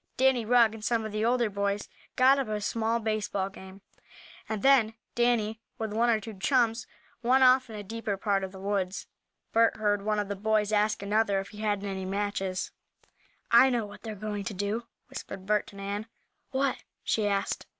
Danny Rugg, and some of the older boys, got up a small baseball game, and then Danny, with one or two chums, went off in a deeper part of the woods. Bert heard one of the boys ask another if he had any matches. "I know what they're going to do," whispered Bert to Nan. "What?" she asked.